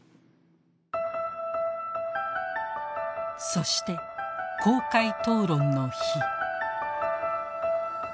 そして公開討論の日。